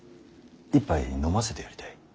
一杯飲ませてやりたい。